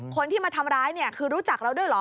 คนที่มาทำร้ายเนี่ยคือรู้จักเราด้วยเหรอ